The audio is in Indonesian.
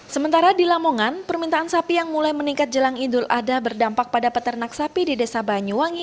sementara di lamongan permintaan sapi yang mulai meningkat jelang idul adha berdampak pada peternak sapi di desa banyuwangi